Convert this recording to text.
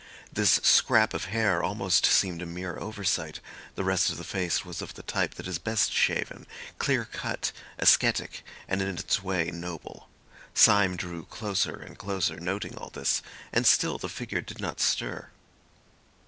This scrap of hair almost seemed a mere oversight; the rest of the face was of the type that is best shaven—clear cut, ascetic, and in its way noble. Syme drew closer and closer, noting all this, and still the figure did not stir.